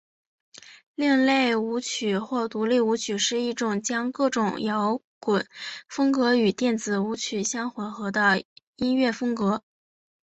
另类舞曲或独立舞曲是一种将各种摇滚风格与电子舞曲相混合的音乐风格。